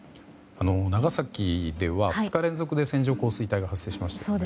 長崎では、２日連続で線状降水帯が発生しましたよね。